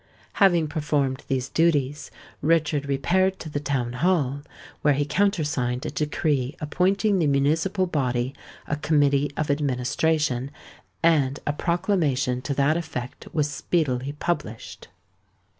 Having performed these duties, Richard repaired to the Town Hall, where he countersigned a decree appointing the municipal body a Committee of Administration; and a proclamation to that effect was speedily published.